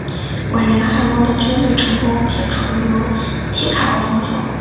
伟人汉诺的军队成功解除由提卡的封锁。